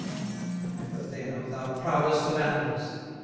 Remember, then, O thou Proudest of Animals!